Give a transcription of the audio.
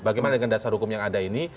bagaimana dengan dasar hukum yang ada ini